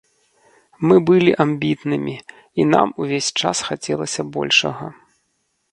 Мы былі амбітнымі, і нам увесь час хацелася большага.